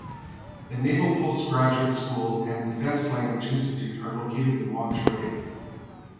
The Naval Postgraduate School and Defense Language Institute are located in Monterey.